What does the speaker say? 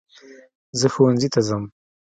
زه ښوونځی ته ځم